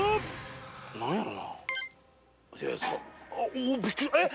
おおびっくりえっ？